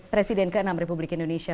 presiden ke enam republik indonesia